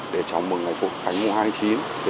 để chào mừng ngày phục khánh mùng hai tháng chín